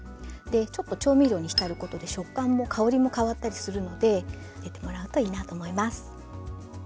ちょっと調味料に浸ることで食感も香りも変わったりするので入れてもらうといいなと思います。